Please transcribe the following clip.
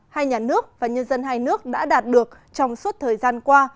hai nhà nước và nhân dân hai nước đã đạt được trong suốt thời gian qua